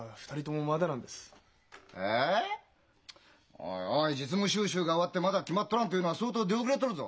おいおい実務修習が終わってまだ決まっとらんというのは相当出遅れとるぞ。